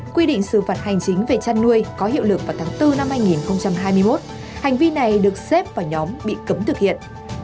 quy định xử phạt hành chính về chăn nuôi có hiệu lực vào tháng bốn năm hai nghìn hai mươi một hành vi này được xếp vào nhóm bị cấm thực hiện